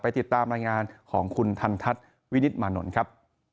ติดตามรายงานของคุณทันทัศน์วินิตมานนท์ครับ